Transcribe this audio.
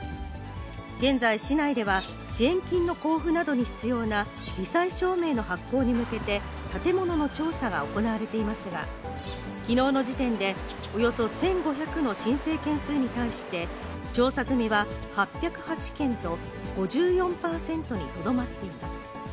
現在、市内では支援金の交付などに必要なり災証明の発行に向けて、建物の調査が行われていますが、きのうの時点で、およそ１５００の申請件数に対して、調査済みは８０８件と、５４％にとどまっています。